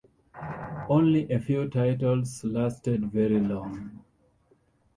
Only a few titles lasted very long.